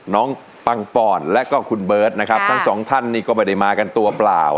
ปังปอนและก็คุณเบิร์ตนะครับทั้งสองท่านนี่ก็ไม่ได้มากันตัวเปล่า